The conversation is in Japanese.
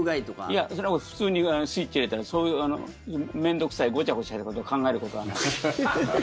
いや、それは普通にスイッチ入れてそういう面倒臭いごちゃごちゃやることを考えることはない。